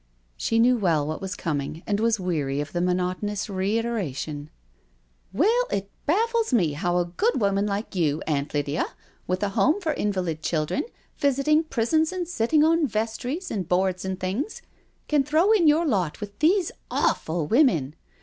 She knew well what was coming, and was weary of the monoto nous reiteration, *' Well, it baffles me how a good woman like you, Aunt Lydia, with a home for invalid children, visiting prisons and sitting on vestries and boards and things, can throw in your lot with these awful women.